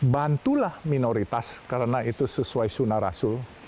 bantulah minoritas karena itu sesuai sunnah rasul